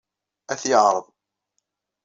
Ad t-yeɛreḍ.